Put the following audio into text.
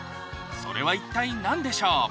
それは一体何でしょう？